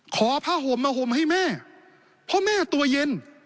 ขอผ้าห่มมาห่มให้แม่เพราะแม่ตัวเย็น